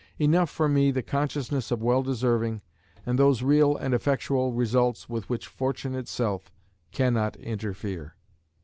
Enough for me the consciousness of well deserving, and those real and effectual results with which Fortune itself cannot interfere."